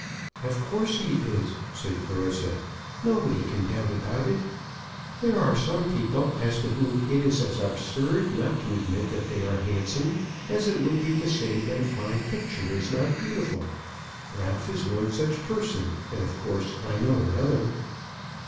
"Of course he is," said Clarissa. "Nobody can doubt about it. There are some people as to whom it is as absurd not to admit that they are handsome as it would be to say that a fine picture is not beautiful. Ralph is one such person, and of course I know another."